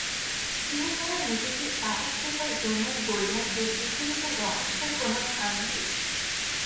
তিনি যেন নিজেকে সাহস দেবার জন্যেই বললেন, এ পৃথিবীতে রহস্যের কোনো স্থান নেই।